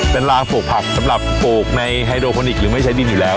เป็นรางปลูกผักสำหรับปลูกในไฮโดโคนิคหรือไม่ใช้ดินอยู่แล้ว